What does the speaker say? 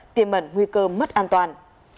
tiềm mẩn nguy cơ mất an toàn